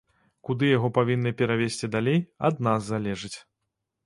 Куды яго павінны перавесці далей, ад нас залежыць.